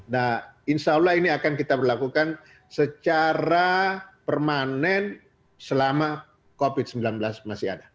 nah insya allah ini akan kita berlakukan secara permanen selama covid sembilan belas masih ada